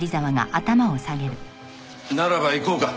ならば行こうか。